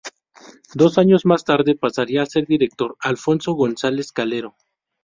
Dos años más tarde pasaría a ser director Alfonso González Calero.